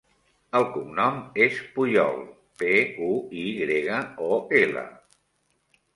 El cognom és Puyol: pe, u, i grega, o, ela.